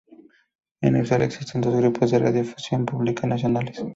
En Australia existen dos grupos de radiodifusión pública nacionales.